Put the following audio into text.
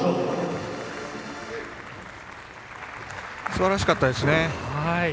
すばらしかったですね。